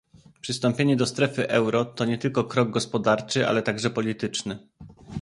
Przystąpienie do strefy euro to nie tylko krok gospodarczy, ale także polityczny